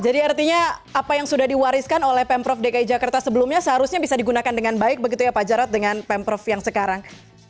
jadi artinya apa yang sudah diwariskan oleh pemprov dki jakarta sebelumnya seharusnya bisa digunakan dengan baik begitu ya pak jarad dengan pemprov yang sekarang